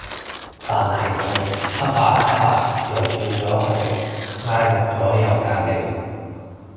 但係佢恰下恰下又轉咗去挨落咗右隔離